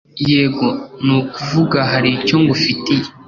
Yego, nukuvuga, hari icyo ngufitiye.